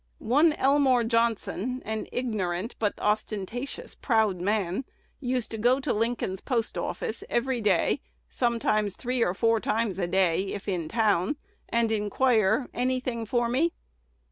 "One Elmore Johnson, an ignorant but ostentatious, proud man, used to go to Lincoln's post office every day, sometimes three or four times a day, if in town, and inquire, 'Any thing for me?'